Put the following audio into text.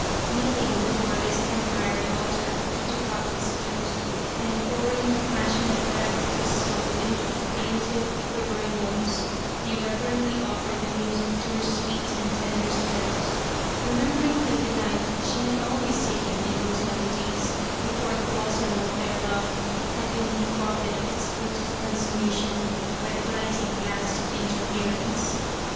Kneeling before this temporary altar he took out his flute, and pouring the passionate breath of his soul into the plaintive, quivering notes, he reverently offered the music to her sweet and tender spirit, remembering the delight she had always taken in those melodies before the blossom of their love had been defrauded of its fruit of consummation by the blighting blast of interference.